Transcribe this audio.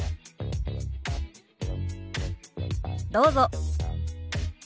どうぞ。